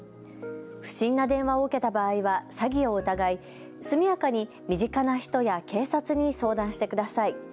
不審な電話を受けた場合は詐欺を疑い、速やかに身近な人や警察に相談してください。